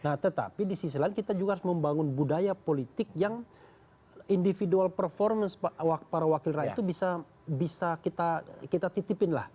nah tetapi di sisi lain kita juga harus membangun budaya politik yang individual performance para wakil rakyat itu bisa kita titipin lah